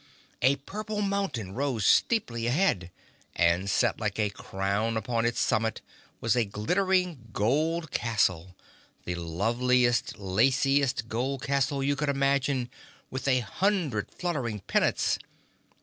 A purple mountain rose steeply ahead, and set like a crown upon its summit was a glittering gold castle, the loveliest, laciest gold castle you could imagine, with a hundred fluttering pennants.